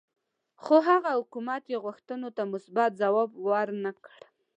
خو هغه حکومت یې غوښتنو ته مثبت ځواب ورنه کړ.